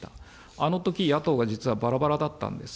あのとき、野党が実はばらばらだったんです。